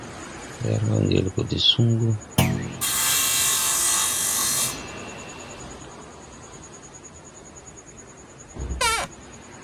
Wɛrga ŋgel gɔ de jɔŋ suŋgu.